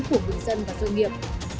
của người dân và doanh nghiệp